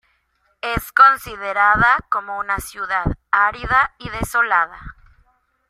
Es considerada como una ciudad árida y desolada.